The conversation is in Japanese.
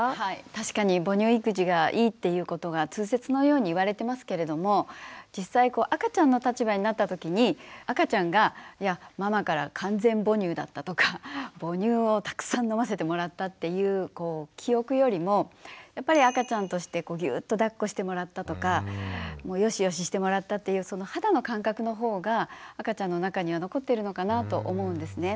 確かに母乳育児がいいっていうことが通説のように言われてますけれども実際こう赤ちゃんの立場になったときに赤ちゃんが「ママから完全母乳だった」とか「母乳をたくさん飲ませてもらった」っていう記憶よりもやっぱり赤ちゃんとしてぎゅっとだっこしてもらったとかよしよししてもらったというその肌の感覚のほうが赤ちゃんの中には残ってるのかなと思うんですね。